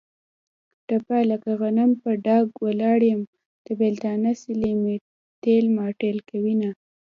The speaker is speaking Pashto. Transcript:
ټپه: لکه غنم په ډاګ ولاړ یم. د بېلتانه سیلۍ مې تېل ماټېل کوینه.